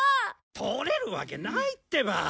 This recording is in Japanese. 取れるわけないってば！